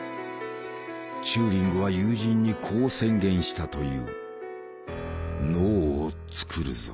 チューリングは友人にこう宣言したという。